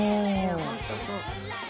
本当そう。